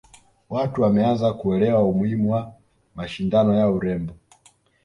watu wameanza kuelewa umuhimu wa mashindano ya urembo